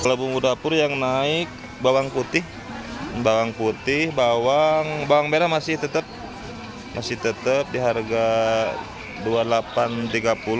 kalau bumbu dapur yang naik bawang putih bawang putih bawang bawang merah masih tetap di harga rp dua puluh delapan rp tiga puluh